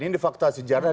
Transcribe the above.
ini fakta sejarah